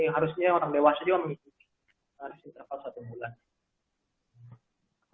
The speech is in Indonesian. harusnya orang dewasa juga harus interval satu bulan